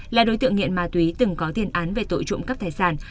là đối tượng nghiện ma túy từng có thiên án về tội trụng cấp thải sản